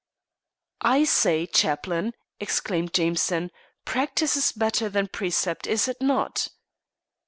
"I say, chaplain!" exclaimed Jameson, "practice is better than precept, is it not?"